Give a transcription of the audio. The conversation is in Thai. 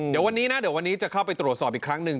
เดี๋ยววันนี้นะเดี๋ยววันนี้จะเข้าไปตรวจสอบอีกครั้งหนึ่ง